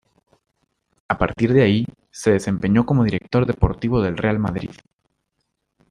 A partir de ahí, se desempeñó como director deportivo del Real Madrid.